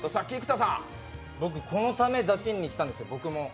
僕、このためだけに来たんです、僕も。